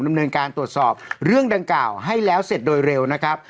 ดำเนินการตรวจสอบเรื่องดังกล่าวให้แล้วเสร็จโดยเร็วนะครับ